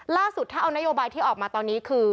ล่าสุดถ้าเอานโยบายที่ออกมาตอนนี้คือ